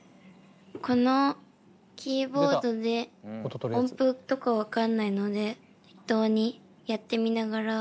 このキーボードで音符とか分かんないので適当にやってみながら。